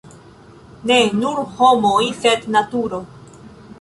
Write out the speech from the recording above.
ne nur homoj sed naturo